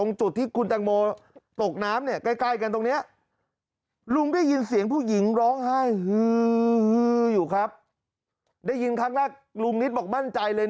ในเมื่อลุงนิสบอกมั่นใจเลย